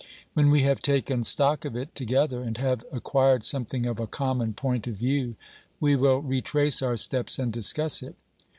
When we have taken stock of it together and have acquired something of a common point of view, we will retrace our steps and discuss it.